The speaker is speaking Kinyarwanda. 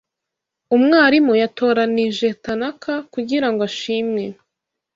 Umwarimu yatoranije Tanaka kugirango ashimwe.